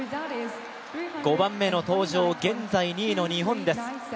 ５番目の登場、現在２位の日本です。